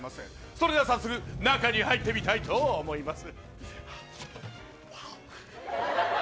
それでは早速、中に入ってみたいと思います。